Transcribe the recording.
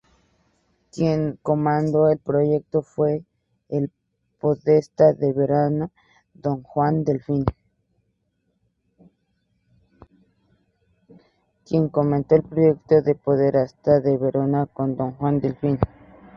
Quien comandó el proyecto fue el Podestá de Verona, don Juan Delfín.